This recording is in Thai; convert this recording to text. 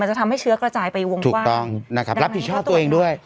จะทำให้เชื้อกระจายไปวงถูกต้องนะครับรับผิดชอบตัวเองด้วย